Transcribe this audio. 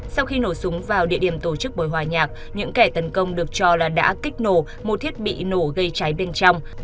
sau khi nổ súng vào địa điểm tổ chức buổi hòa nhạc những kẻ tấn công được cho là đã kích nổ một thiết bị nổ gây cháy bên trong